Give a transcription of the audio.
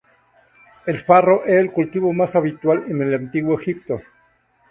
El farro era el cultivo más habitual en el antiguo Egipto.